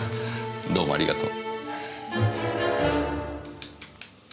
どうもありがとう。